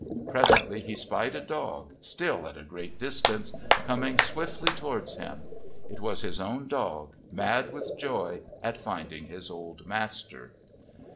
Presently he spied a dog, still at a great distance, coming swiftly towards him; it was his own dog, mad with joy at finding his old master.